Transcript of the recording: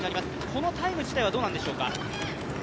このタイム自体はどうなんでしょうか？